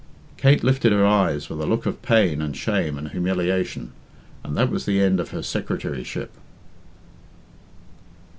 Kate lifted her eyes with a look of pain and shame and humiliation, and that was the end of her secretaryship.